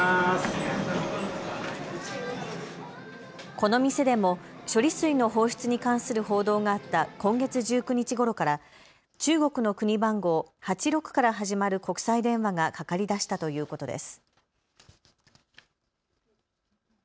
この店でも処理水の放出に関する報道があった今月１９日ごろから中国の国番号８６から始まる国際電話がかかりだしたということです。